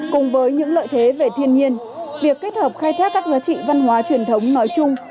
cùng với những lợi thế về thiên nhiên việc kết hợp khai thác các giá trị văn hóa truyền thống nói chung